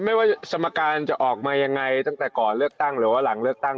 ไม่ว่าสมการจะออกมายังไงตั้งแต่ก่อนเลือกตั้งหรือว่าหลังเลือกตั้ง